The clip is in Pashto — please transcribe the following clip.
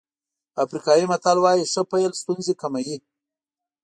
افریقایي متل وایي ښه پيل ستونزې کموي.